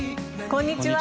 こんにちは。